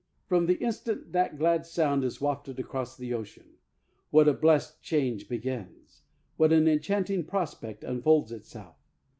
From the instant that glad sound is wafted across the ocean, what a blessed change begins; what an enchanting prospect unfolds itself